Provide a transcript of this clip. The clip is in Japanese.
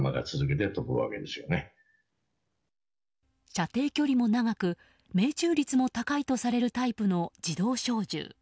射程距離も長く、命中率も高いとされるタイプの自動小銃。